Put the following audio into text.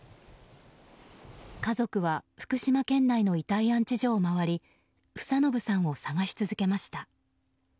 家族は福島県内の遺体安置所を回り房信さんを捜し続けました。